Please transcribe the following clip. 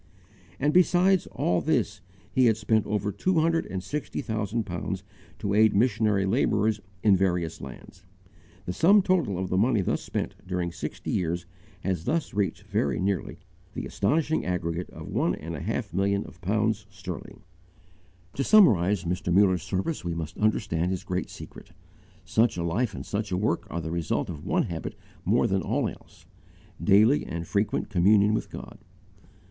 And besides all this he had spent over two hundred and sixty thousand pounds to aid missionary labourers in various lands. The sum total of the money thus spent during sixty years has thus reached very nearly the astonishing aggregate of one and a half million of pounds sterling ($7,500,000). To summarize Mr. Muller's service we must understand his great secret. Such a life and such a work are the result of one habit more than all else, daily and frequent communion with God.